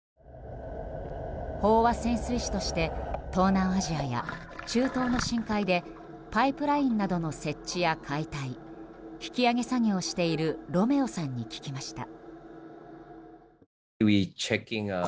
飽和潜水士として東南アジアや中東の深海でパイプラインなどの設置や解体引き揚げ作業をしているロメオさんに聞きました。